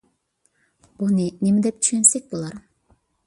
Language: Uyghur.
بۇنى نېمە دەپ چۈشەنسەك بولار؟